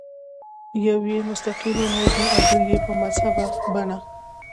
یو یې مستقیماً وژني او بل یې په مهذبه بڼه.